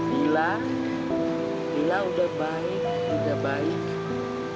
bila bila udah baik udah baik